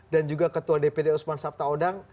dan juga ketua dpd usman sabta odang